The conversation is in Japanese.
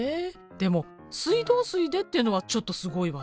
でも水道水でってのはちょっとすごいわね。